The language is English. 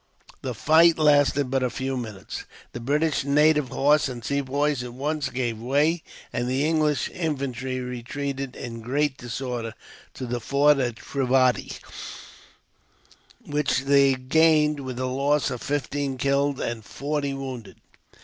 The fight lasted but a few minutes. The British native horse and Sepoys at once gave way; and the English infantry retreated, in great disorder, to the fort of Trivadi, which they gained with a loss of fifteen killed and forty wounded.